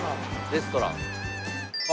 レストラン。